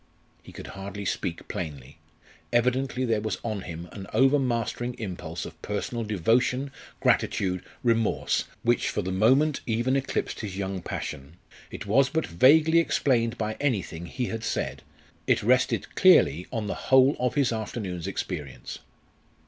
He could hardly speak plainly. Evidently there was on him an overmastering impulse of personal devotion, gratitude, remorse, which for the moment even eclipsed his young passion. It was but vaguely explained by anything he had said; it rested clearly on the whole of his afternoon's experience.